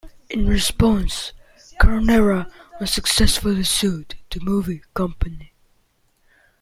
In response, Carnera unsuccessfully sued the movie company.